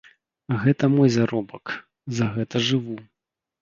Гэта мой заробак, за гэта жыву.